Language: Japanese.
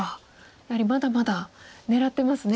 やはりまだまだ狙ってますね。